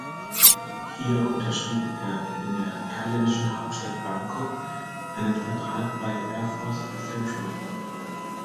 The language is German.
Hier unterschrieb er in der thailändischen Hauptstadt Bangkok einen Vertrag bei Air Force Central.